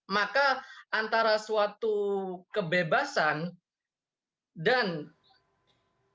maka antara suatu kebebasan dan